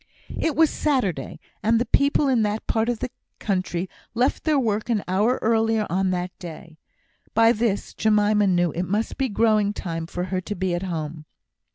It was Saturday, and the people in that part of the country left their work an hour earlier on that day. By this, Jemima knew it must be growing time for her to be at home.